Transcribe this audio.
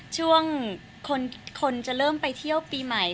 ช่วงคนจะเริ่มไปเที่ยวปีใหม่